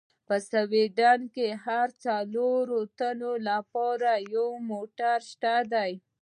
په سویډن کې د هرو څلورو تنو لپاره یو موټر شته دي.